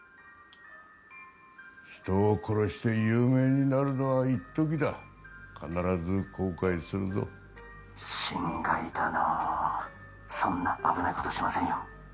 人を殺して有名になるのはいっときだ必ず後悔するぞ心外だなそんな危ないことしませんよ